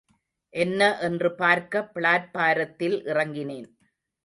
என்ன என்று பார்க்க பிளாட்பாரத்தில் இறங்கினேன்.